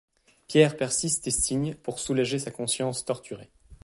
Pierre persiste et signe, pour soulager sa conscience torturée.